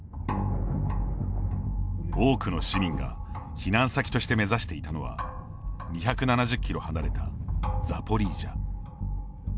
多くの市民が避難先として目指していたのは２７０キロ離れたザポリージャ。